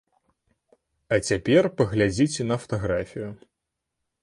А цяпер паглядзіце на фатаграфію.